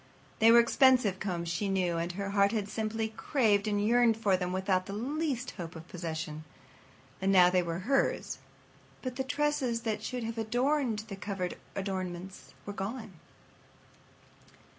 They were expensive combs, she knew, and her heart had simply craved and yearned over them without the least hope of possession. And now, they were hers, but the tresses that should have adorned the coveted adornments were gone.